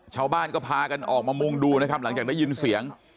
ชาวบ้านก็พากันออกมามุ่งดูนะครับหลังจากได้ยินเสียง